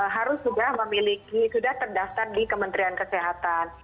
harus sudah memiliki sudah terdaftar di kementerian kesehatan